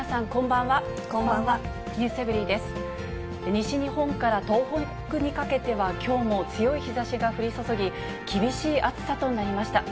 西日本から東北にかけては、きょうも強い日ざしが降り注ぎ、厳しい暑さとなりました。